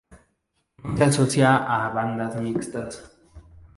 No se asocia a bandadas mixtas.